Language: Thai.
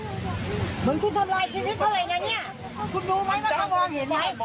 ทำไมจะไม่เห็นเดินไปนี่ก็หมดเสียงแล้ว